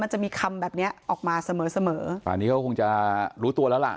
มันจะมีคำแบบเนี้ยออกมาเสมอเสมอป่านี้เขาคงจะรู้ตัวแล้วล่ะ